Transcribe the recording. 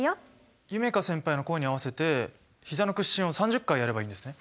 夢叶先輩の声に合わせてひざの屈伸を３０回やればいいんですね。